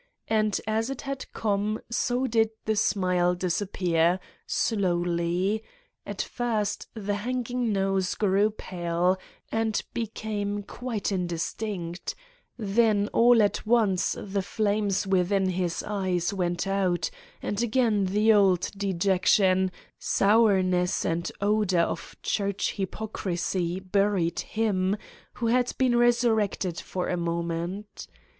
And as it had 160 Satan's Diary come so did the smile disappear, slowly: at first the hanging nose grew pale and became quite in distinct, then all at once the flames within his eyes went out and again the old dejection, sour ness and odor of church hypocrisy buried him who had been resurrected for a moment.